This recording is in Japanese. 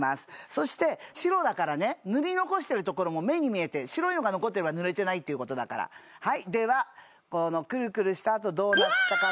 そして白だからね塗り残しているところも目に見えて白いのが残ってれば塗れてないっていうことだからはいではこのくるくるしたあとどうなったかっていうと